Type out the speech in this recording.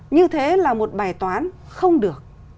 như thế là một bài toán không được